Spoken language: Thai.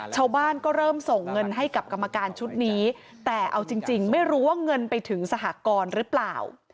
ชาวบ้านก็เริ่มส่งเงินให้กับกรรมการชุดนี้แต่เอาจริงไม่รู้ว่าเงินไปถึงสหกรหรือเปล่า